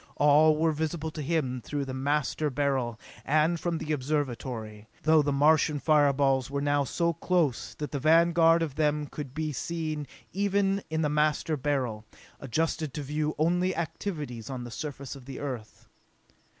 All were visible to him through the Master Beryl, and from the Observatory, though the Martian fire balls were now so close that the vanguard of them could even be seen in the Master Beryl, adjusted to view only activities on the surface of the Earth.